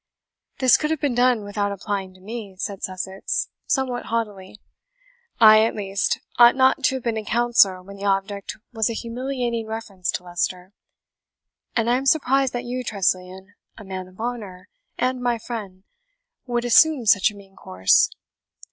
"This could have been done without applying to me," said Sussex, somewhat haughtily. "I at least, ought not to have been a counsellor when the object was a humiliating reference to Leicester; and I am suprised that you, Tressilian, a man of honour, and my friend, would assume such a mean course.